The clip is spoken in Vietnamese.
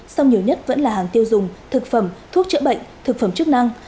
sau nhiều nhất vẫn là hàng tiêu dùng thực phẩm thuốc chữa bệnh thực phẩm chức năng